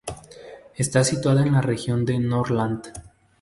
Está situada en la región de Norrland.